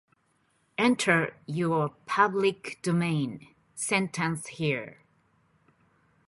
Enter your public domain sentence here